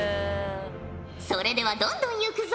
それではどんどんいくぞ。